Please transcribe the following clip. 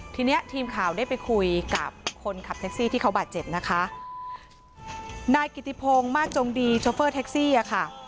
ทีเนี้ยทีมข่าวได้ไปคุยกับคนขับแท็กซี่ที่เขาบาดเจ็บนะคะนายกิติพงศ์มากจงดีโชเฟอร์แท็กซี่อ่ะค่ะ